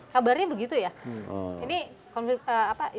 kabarnya begitu ya